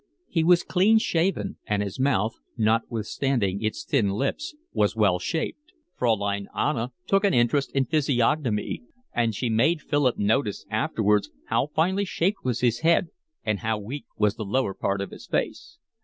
He was clean shaven, and his mouth, notwithstanding its thin lips, was well shaped. Fraulein Anna took an interest in physiognomy, and she made Philip notice afterwards how finely shaped was his skull, and how weak was the lower part of his face.